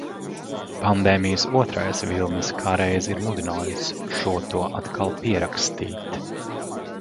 Pandēmijas otrais vilnis kā reiz ir mudinājis šo to atkal pierakstīt.